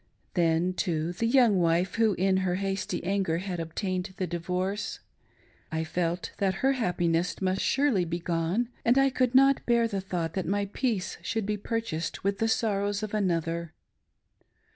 Then, too, the young wife who in her hasty anger had obtained the divorce. — I felt that her happiness must surely be gone^ and I could not bear the thought that my peace should be purchased with the sorrows of another.